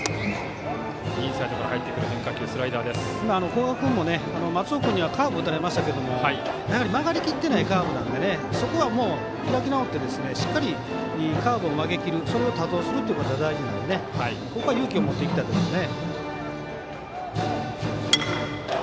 古賀君も、松尾君にはカーブ打たれましたが曲がりきってないカーブなのでそこは開き直ってしっかりカーブの曲げきりを多投するっていうことが大事なので、ここは勇気を持っていきたいですね。